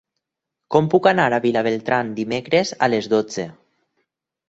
Com puc anar a Vilabertran dimecres a les dotze?